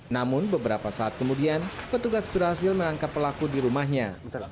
namun beberapa saat kemudian petugas berhasil menangkap pelaku di rumahnya